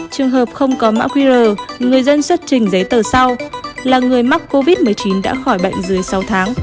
trường hợp không có mã qr người dân xuất trình giấy tờ sau là người mắc covid một mươi chín đã khỏi bệnh dưới sáu tháng